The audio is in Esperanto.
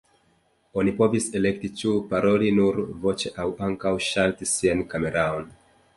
Oni povis elekti ĉu paroli nur voĉe aŭ ankaŭ ŝalti sian kameraon.